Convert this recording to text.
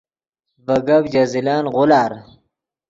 ڤے گپ ژے زلن غولار